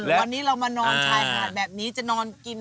วันนี้เรามานอนชายหาดแบบนี้จะนอนกิน